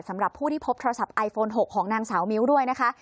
สำหรับผู้ที่พบโทรศัพท์ไอโฟน๖ของนางสาวมิ้วด้วยนะคะ